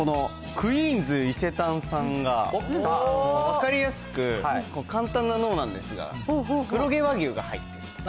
このクイーンズ伊勢丹さんが、分かりやすく簡単な脳なんですが、黒毛和牛が入ってる。